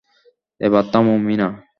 এবার থামো, মীনা।